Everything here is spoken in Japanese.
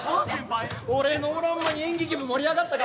俺のおらん間に演劇部盛り上がったか？